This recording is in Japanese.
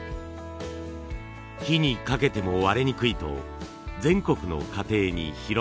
火にかけても割れにくいと全国の家庭に広まりました。